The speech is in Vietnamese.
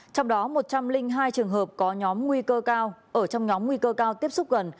trong đó một trăm linh hai trường hợp có nhóm nguy cơ cao ở trong nhóm nguy cơ cao tiếp xúc gần